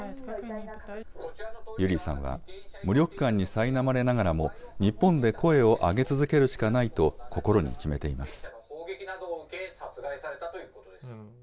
ユリーさんは、無力感にさいなまれながらも、日本で声を上げ続けるしかないと、心に決めています。